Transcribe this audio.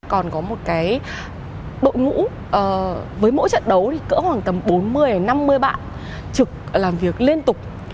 còn có một cái đội ngũ với mỗi trận đấu thì cỡ khoảng tầm bốn mươi năm mươi bạn trực làm việc liên tục